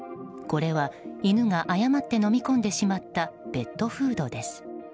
これは犬が誤って飲み込んでしまったペットフードです。